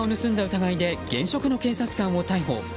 疑いで現職の警察官を逮捕。